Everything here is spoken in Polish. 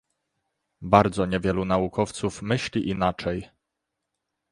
Bardzo niewielu naukowców myśli inaczej